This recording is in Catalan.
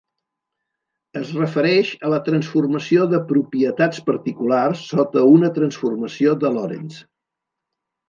Es refereix a la transformació de propietats particulars sota una transformació de Lorentz.